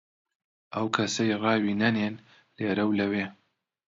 ئەو کەسەی ڕاوی نەنێن لێرە و لەوێ،